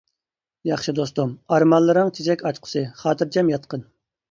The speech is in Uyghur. ياخشى دوستۇم، ئارمانلىرىڭ چېچەك ئاچقۇسى، خاتىرجەم ياتقىن.